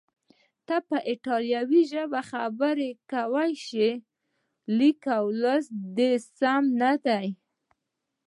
ته په ایټالوي ژبه خبرې کولای شې، خو لیک لوست دې سم نه دی.